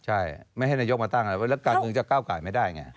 ใช่ไม่ให้นายกมาแต่งตั้งหรอกแล้วการเมืองจะก้าวกาศไม่ได้ไง